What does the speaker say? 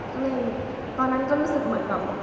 ก็เลยตอนนั้นก็รู้สึกแบบ